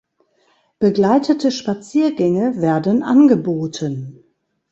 Begleitete Spaziergänge werden angeboten.